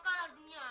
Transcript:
oh celaka dunia